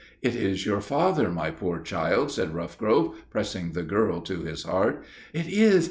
"It is your father, my poor child!" said Roughgrove, pressing the girl to his heart. "It is!